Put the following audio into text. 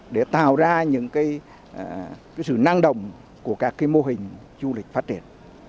để tạo ra những sự năng động của các mô hình du lịch phát triển